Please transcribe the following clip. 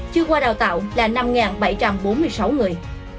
chưa qua đào tạo là năm bảy trăm bốn mươi sáu người